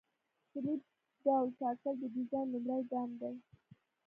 د سلب ډول ټاکل د ډیزاین لومړی ګام دی